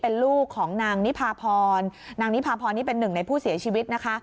เป็นลูกของนางนิพาพรนางนิพาพรนี่เป็นหนึ่งในผู้เสียชีวิตนะคะ